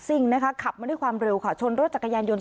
่งนะคะขับมาด้วยความเร็วค่ะชนรถจักรยานยนต์